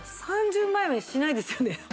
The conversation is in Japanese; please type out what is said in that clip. ３０万円はしないですよね？